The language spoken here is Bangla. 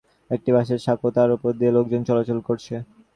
পাশেই শিয়ালজানি খালের ওপর একটি বাঁশের সাঁকো, যার ওপর দিয়ে লোকজন চলাচল করছে।